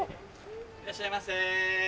いらっしゃいませ。